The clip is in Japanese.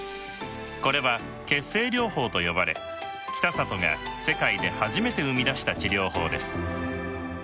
これは「血清療法」と呼ばれ北里が世界で初めて生み出した治療法です。